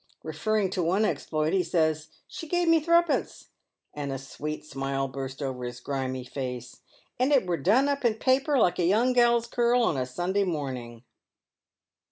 Referring to one exploit, he says, " She gave me threepence ;" and a sweet smile burst over his grimy face ;" and it were done up in paper, like a young gal's curl on a Sunday morning."